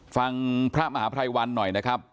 ฟังพระมหาภัยวันหน่อยนะครับ